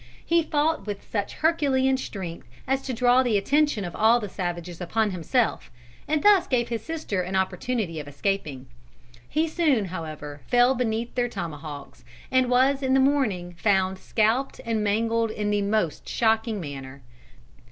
He fought with such herculean strength as to draw the attention of all the savages upon himself, and thus gave his sister an opportunity of escaping. He soon however fell beneath their tomahawks, and was in the morning found scalped and mangled in the most shocking manner."